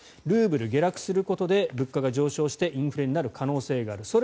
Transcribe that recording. ルーブル下落することで物価が上昇してインフレになる可能性がある。